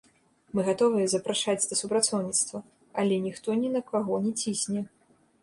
Мы гатовыя запрашаць да супрацоўніцтва, але ніхто ні на каго не цісне.